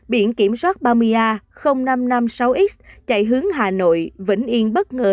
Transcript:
biển kiểm soát ba mươi a năm trăm năm mươi sáu x chạy hướng hà nội vĩnh yên bất ngờ